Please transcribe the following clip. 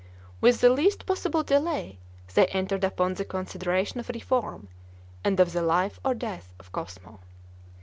With the least possible delay they entered upon the consideration of reform, and of the life or death of Cosmo.